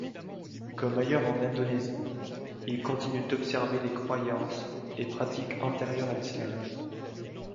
Comme ailleurs en Indonésie, ils continuent d'observer des croyances et pratiques antérieures à l'islam.